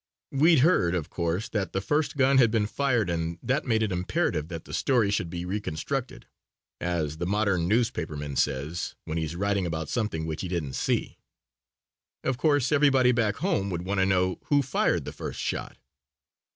We'd heard, of course, that the first gun had been fired and that made it imperative that the story should be "reconstructed," as the modern newspaperman says when he's writing about something which he didn't see. Of course, everybody back home would want to know who fired the first shot.